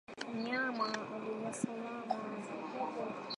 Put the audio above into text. Mnyama aliye salama hupata ugonjwa wa ukurutu